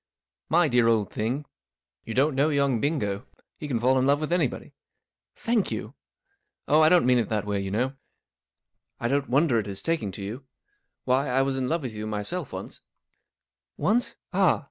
" My dear old thing, you don't know young Bingo* He can fall in love with anybody/* " Thank you !"#< Oh, I didn't mean it that way, you know* I don't wonder at ^ his taking to you. Why, 1 was in love with you myself once," "Once? Ah!